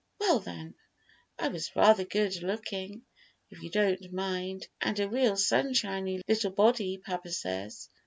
"Well, then, I was rather good looking, if you don't mind, and a real sunshiny little body, papa says."